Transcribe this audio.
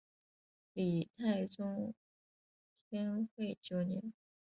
金太宗天会九年。